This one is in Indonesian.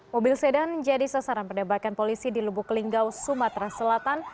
mobil sedan jadi sasaran penembakan polisi di lubuk linggau sumatera selatan